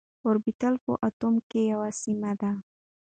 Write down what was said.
اوربيتال په اتوم کي يوه سيمه ده.